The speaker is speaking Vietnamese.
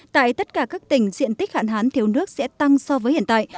tại tất cả các tỉnh diện tích hạn hán thiếu nước sẽ tăng so với hiện tại